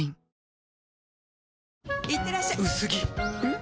ん？